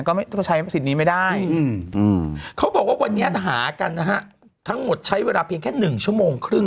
ก็ใช้สิทธิ์นี้ไม่ได้เขาบอกว่าวันนี้ทหารกันทั้งหมดใช้เวลาเพียงแค่๑๕ชม